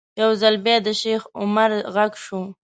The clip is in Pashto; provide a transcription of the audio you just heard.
یو ځل بیا د شیخ عمر غږ شو.